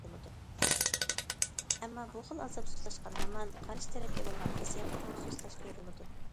ئەمما بۇ خىل ئازاب سۇسلاشقان ھامان قارشى تەرەپكە بولغان ھېسسىياتتىمۇ سۇسلاش كۆرۈلىدۇ.